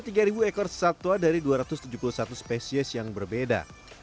ada tiga ekor satwa dari dua ratus tujuh puluh satu spesies yang berbeda